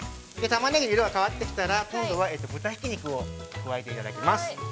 ◆タマネギの色が変わってきたら今度は豚ひき肉を、加えていただきます。